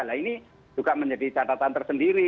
nah ini juga menjadi catatan tersendiri